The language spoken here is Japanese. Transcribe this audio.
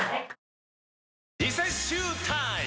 リセッシュータイム！